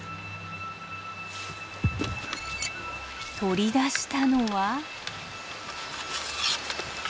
取り出したのは。